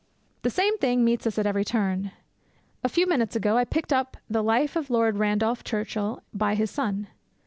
The same thing meets us at every turn. A few minutes ago I picked up the Life of Lord Randolph Churchill, by his son.